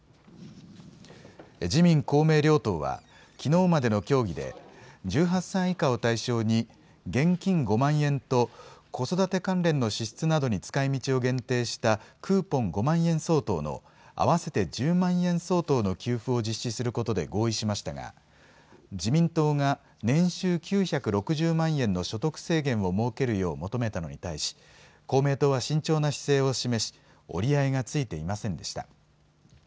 自民公明両党はきのうまでの協議で１８歳以下を対象に現金５万円と子育て関連の支出などに使いみちを限定したクーポン５万円相当の合わせて１０万円相当の給付を実施することで合意しましたが自民党が年収９６０万円の所得制限を設けるよう求めたのに対し公明党は慎重な姿勢を示し、折り合いがついていませんでした。